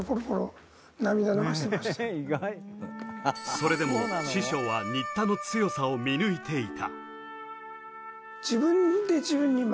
それでも師匠は新田の強さを見抜いていた。